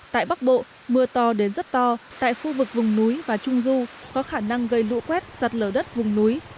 tại bắc bộ mưa to đến rất to tại khu vực vùng núi và trung du có khả năng gây lũ quét sạt lở đất vùng núi